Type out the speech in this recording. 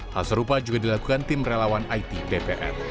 hal serupa juga dilakukan tim relawan it dpr